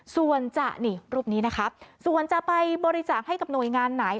ส่วนจะนี่รูปนี้นะครับส่วนจะไปบริจาคให้กับหน่วยงานไหน